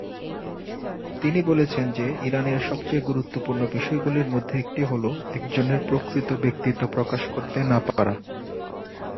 তিনি বলেছেন যে ইরানের সবচেয়ে গুরুত্বপূর্ণ বিষয়গুলির মধ্যে একটি হল একজনের প্রকৃত ব্যক্তিত্ব প্রকাশ করতে না পারা।